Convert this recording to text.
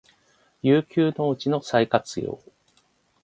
遊休農地の再活用